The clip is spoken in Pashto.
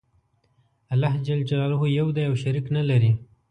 الله ج یو دی او شریک نلری.